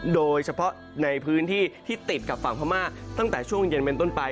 โดยเฉพาะในพื้นที่ที่ติดกับฝั่งพม่าตั้งแต่ช่วงเย็นเป็นต้นไป